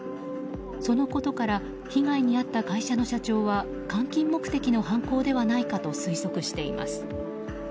そのことから被害に遭った会社の社長は換金目的の犯行ではないかと推測しています。